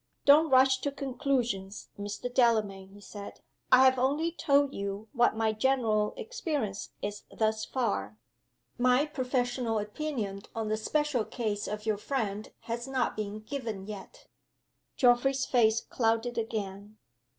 "Don't rush to conclusions, Mr. Delamayn," he said. "I have only told you what my general experience is thus far. My professional opinion on the special case of your friend has not been given yet." Geoffrey's face clouded again.